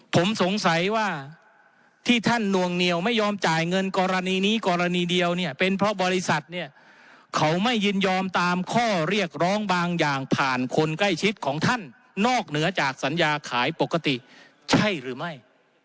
ผมสงสัยว่าที่ท่านนวงเหนียวไม่ยอมจ่ายเงินกรณีนี้กรณีเดียวเนี่ยเป็นเพราะบริษัทเนี่ยเขาไม่ยินยอมตามข้อเรียกร้องบางอย่างผ่านคนใกล้ชิดของท่านนอกเหนือจากสัญญาขายปกติใช่หรือไม่